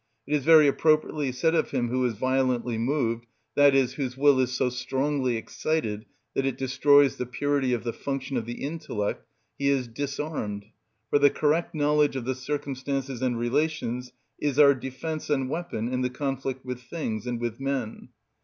It is very appropriately said of him who is violently moved, i.e., whose will is so strongly excited that it destroys the purity of the function of the intellect, he is disarmed; for the correct knowledge of the circumstances and relations is our defence and weapon in the conflict with things and with men.